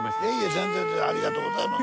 全然ありがとうございます。